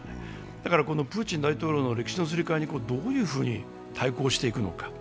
だから、プーチン大統領の歴史のすり替えにどう対抗していくのか。